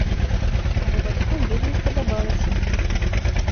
Але бацькам вельмі спадабалася.